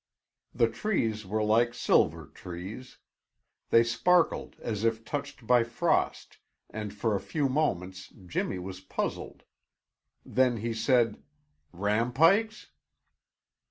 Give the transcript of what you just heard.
The trees were like silver trees; they sparkled as if touched by frost, and for a few moments Jimmy was puzzled. Then he said, "Rampikes?"